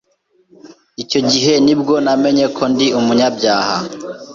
icyo gihe nibwo namenye ko ndi umunyabyaha